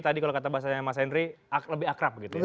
tadi kalau kata bahasanya mas henry lebih akrab gitu